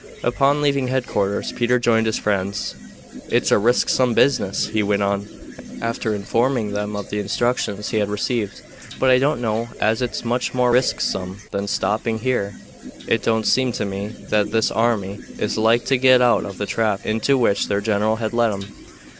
Upon leaving headquarters Peter joined his friends. "It's a risksome business," he went on, after informing them of the instructions he had received, "but I don't know as it's much more risksome than stopping here. It don't seem to me that this army is like to get out of the trap into which their general has led 'em.